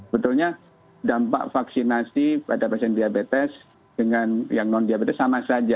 betulnya dampak vaksinasi pada pasien diabetes dengan yang non diabetes sama saja